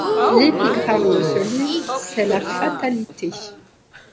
L’épigraphe de ce livre, c’est la fatalité.